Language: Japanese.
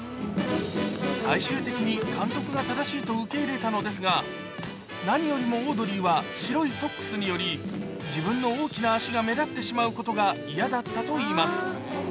最終的に監督が正しいと受け入れたのですが、何よりもオードリーは白いソックスにより、自分の大きな足が目立ってしまうことが嫌だったといいます。